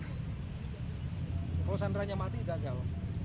kalau sandera nya mati gagal